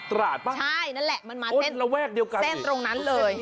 ตราดปะโอ้นและแวกเดียวกันใช่นั่นแหละมันมาเส้นตรงนั้นเลย